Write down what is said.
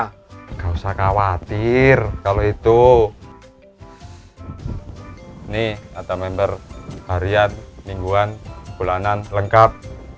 hai ga usah khawatir kalau itu nih atau member harian mingguan bulanan lengkap